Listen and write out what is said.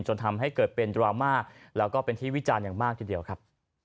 จนทำให้เกิดเป็นดราม่าแล้วก็เป็นที่วิจารณ์อย่างมากทีเดียวครับ